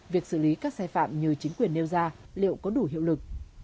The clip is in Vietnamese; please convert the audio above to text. việc xử lý các sai phạm như chính quyền nêu ra liệu có đủ hiệu lực